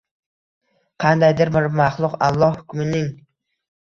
Qandaydir bir maxluq Alloh mulkining